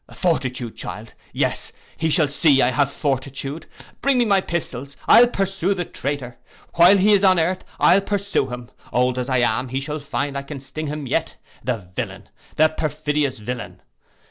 '—'Fortitude, child! Yes, he shall see I have fortitude! Bring me my pistols. I'll pursue the traitor. While he is on earth I'll pursue him. Old as I am, he shall find I can sting him yet. The villain! The perfidious villain!